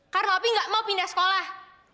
karena tapi gak mau pindah sekolah